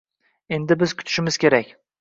Endi biz kutishimiz kerak